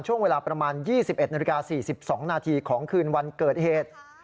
ช่วงเวลาประมาณ๒๑นาฬิกา๔๒นาทีของคืนวันเกิดเหตุ